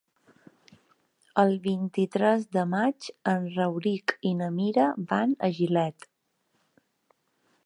El vint-i-tres de maig en Rauric i na Mira van a Gilet.